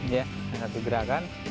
ya satu gerakan